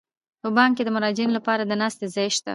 په بانک کې د مراجعینو لپاره د ناستې ځای شته.